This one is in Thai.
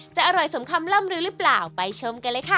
จะอร่อยสมคำล่ำลือหรือเปล่าไปชมกันเลยค่ะ